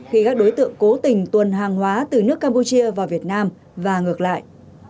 khi các đối tượng cố tình tuần hàng hóa từ nước campuchia vào việt nam và ngược lại